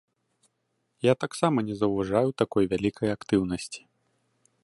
Я таксама не заўважаю такой вялікай актыўнасці.